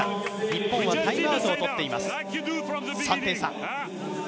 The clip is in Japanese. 日本はタイムアウトを取っています。